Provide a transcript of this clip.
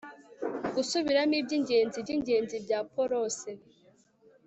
gusubiramo ibyingenzi byingenzi bya prose